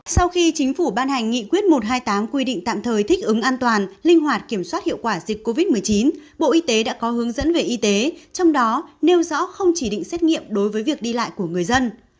sau khi chính phủ ban hành nghị quyết một trăm hai mươi tám quy định tạm thời thích ứng an toàn linh hoạt kiểm soát hiệu quả dịch covid một mươi chín bộ y tế đã có hướng dẫn về y tế trong đó nêu rõ không chỉ định xét nghiệm đối với việc đi lại của người dân